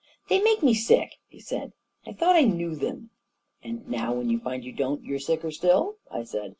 " They make me sick! " he said. u I thought I knew them !"" And now when you find you don't, you're sicker still!" I said.